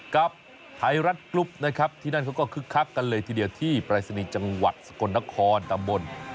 กับไทยรัฐกรุ๊ปนะครับที่นั่นเขาก็คึกคักกันเลยทีเดียวที่ปรายศนีย์จังหวัดสกลนครตำบล